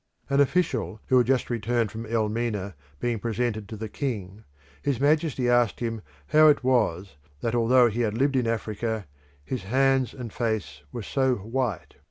An official who had just returned from Elmina being presented to the king, His Majesty asked him how it was that although he had lived in Africa his face and hands were so white.